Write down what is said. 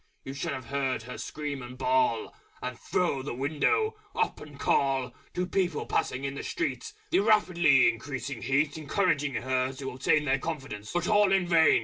You should have heard her Scream and Bawl, And throw the window up and call To People passing in the Street (The rapidly increasing Heat Encouraging her to obtain Their confidence) but all in vain!